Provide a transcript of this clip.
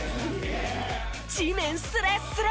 地面スレスレ！